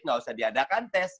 nggak usah diadakan tes